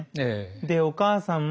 でお母さんも。